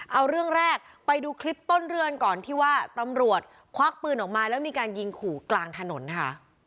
เอาเรื่องแรกไปดูคลิปต้นเรือนก่อนที่ว่าตำรวจควักปืนออกมาแล้วมีการยิงขู่กลางถนนค่ะ